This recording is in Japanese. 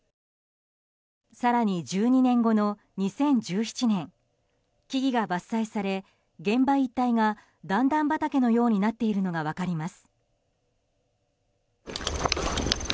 更に１２年後の２０１７年木々が伐採せれ現場一帯が段々畑になっているのが分かります。